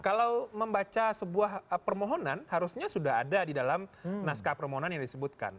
kalau membaca sebuah permohonan harusnya sudah ada di dalam naskah permohonan yang disebutkan